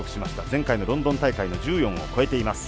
前回のロンドン大会の１４を超えています。